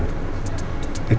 itu tanpa cinta